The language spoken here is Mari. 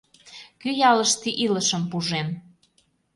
Кӧ ялыште илышым пужен?